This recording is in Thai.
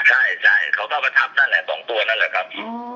ใช่ใช่เขาก็เอามาทับนั่นนแหละสองตัวนั่นแหละครับ